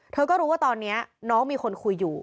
เธอก็รู้ว่าตอนนี้น้องมีคนคุยอยู่